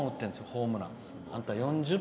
ホームラン。